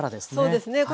そうですね